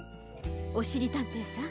おしりたんていさん